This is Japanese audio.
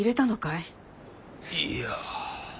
いや。